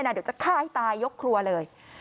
เดี๋ยวจะฆ่าให้ตายยกครัวเลย